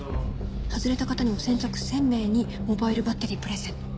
「外れた方にも先着１０００名にモバイルバッテリープレゼント」